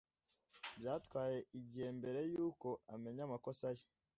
Byatwaye igihe mbere yuko amenya amakosa ye.